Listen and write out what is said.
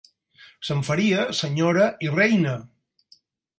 ...se'n faria senyora i reina.